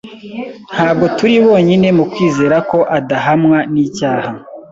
Ntabwo turi bonyine mu kwizera ko adahamwa n'icyaha.